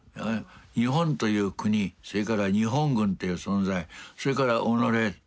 日本という国それから日本軍という存在それから己ですね